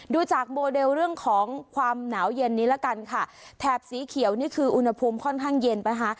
ดูจากโมเดลเรื่องของความหนาวเย็นนี้ละกันค่ะแถบสีเขียวนี่คืออุณหภูมิค่อนข้างเย็นนะคะ